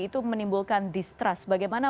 itu menimbulkan distrust bagaimana